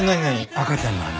赤ちゃんの話？